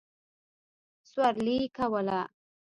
سورلي کوله.